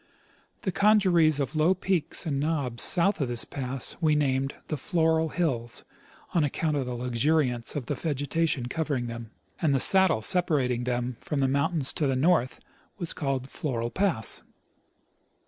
The congeries of low peaks and knobs south of this pass we named the Floral hills, on account of the luxuriance of the vegetation covering them ; and the saddle separating them from the mountains to the north was called Floral pass.